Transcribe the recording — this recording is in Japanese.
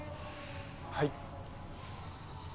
はい。